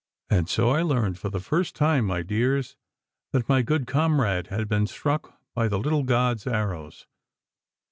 And so I learned for the first time, my dears, that my good comrade had been struck by the little god's arrows.